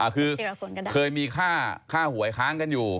คือเคยมีค่าหวยค้างกันอยู่